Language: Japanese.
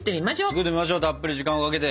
作ってみましょうたっぷり時間をかけて。